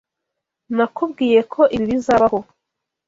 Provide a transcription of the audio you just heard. Nakubwiye ko ibi bizabaho.